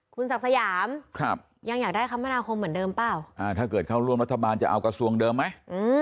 คุณศักดิ์สยามยังอยากได้คมนาคมเหมือนเดิมเปล่าถ้าเกิดเข้าร่วมรัฐบาลจะเอากระทรวงเดิมไหม